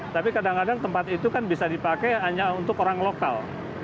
tapi kadang kadang tempat itu kan bisa dipakai hanya untuk orang lokal